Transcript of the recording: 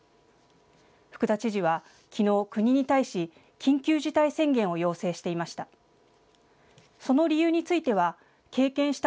福田知事は、きのう国に対し緊急事態宣言を要請していました。